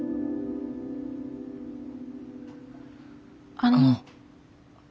あの。